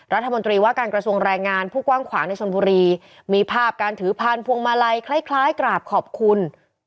รัฐมนตรีว่าการกระทรวงแรงงานผู้กว้างขวางในชนบุรีมีภาพการถือพานพวงมาลัยคล้ายกราบขอบคุณ